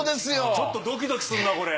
ちょっとドキドキするなこれ。